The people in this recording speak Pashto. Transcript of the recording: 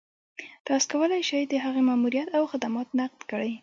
تاسو کولای شئ د هغې ماموريت او خدمات نقد کړئ.